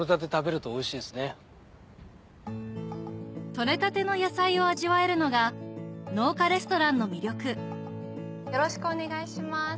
取れたての野菜を味わえるのが農家レストランの魅力よろしくお願いします。